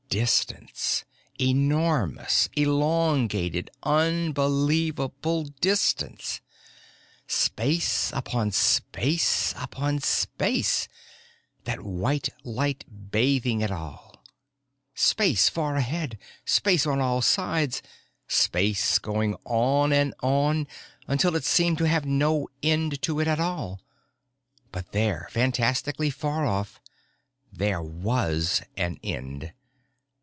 Distance. Enormous, elongated, unbelievable distance. Space upon space upon space that white light bathing it all. Space far ahead, space on all sides, space going on and on until it seemed to have no end to it at all. But there, fantastically far off, there was an end.